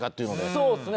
そうですね。